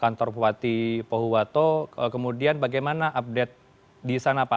kantor bupati pohuwato kemudian bagaimana update di sana pak